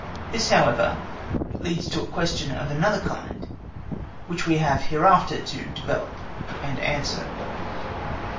This, however, leads to a question of another kind which we have hereafter to develop and answer.